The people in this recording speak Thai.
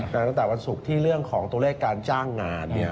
แต่ตั้งแต่วันศุกร์ที่เรื่องของตัวเลขการจ้างงานเนี่ย